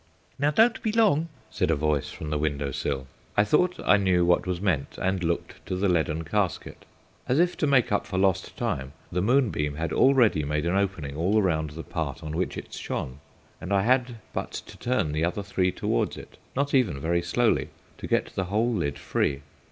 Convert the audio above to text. "Now don't be long," said a voice from the window sill. I thought I knew what was meant, and looked to the leaden casket. As if to make up for lost time, the moonbeam had already made an opening all round the part on which it shone, and I had but to turn the other side towards it not even very slowly to get the whole lid free.